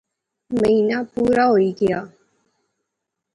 مہینہ پورا ہوئی گیا